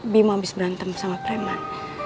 bimo habis berantem sama primat